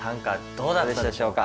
どうだったでしょうか？